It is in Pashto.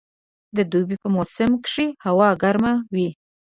د دوبي په موسم کښي هوا ګرمه وي.